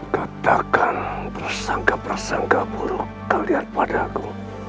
katakan persangka persangka buruk kalian padaku